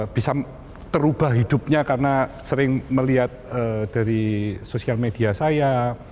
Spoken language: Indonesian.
bisa terubah hidupnya karena sering melihat dari sosial media saya